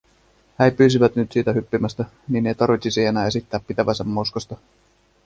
Häipyisivät nyt siitä hyppimästä, niin ei tarvitsisi enää esittää pitävänsä moskasta.